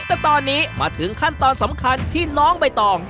แต่ตอนนี้มาถึงขั้นตอนสำคัญที่น้องใบตอง